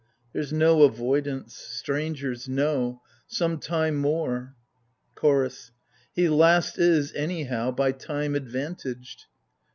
There's no avoidance, — strangers, no ! Some time more ! CHORDS. He last is, anyhow, by time advantaged.